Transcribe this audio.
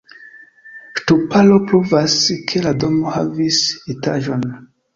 Ŝtuparo pruvas, ke la domo havis etaĝon.